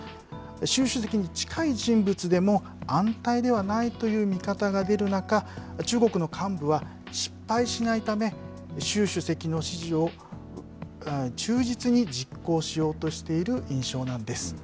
習主席に近い人物でも安泰ではないという見方が出る中、中国の幹部は失敗しないため、習主席の指示を忠実に実行しようとしている印象なんです。